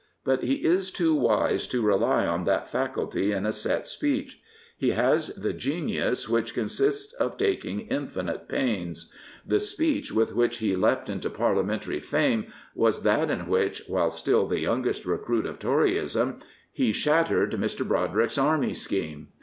But he is too wise to rely on that faculty in a set speech. He has the genius which consists of taking infinite pains. The speech with which he leapt into Parliamentary fame was that in which, while still the youngest recruit of Toryism, he shat tered Mr. Brodrick's army scheme.